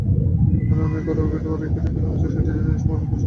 রানে ভরা উইকেটে খেলা হচ্ছে, সেটি জেনেই নিশ্চয়ই বাংলাদেশ প্রস্তুতি নিয়েছে।